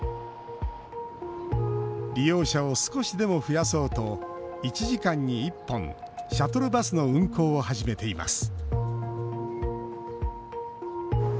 利用者を少しでも増やそうと１時間に１本シャトルバスの運行を始めています